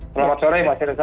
selamat sore mbak cereza